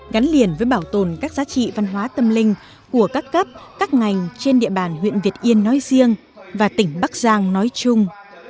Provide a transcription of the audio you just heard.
gắn liền với bảo tồn các giá trị văn hóa tâm linh của các cấp các ngành trên địa bàn huyện việt yên nói riêng và tỉnh bắc giang nói chung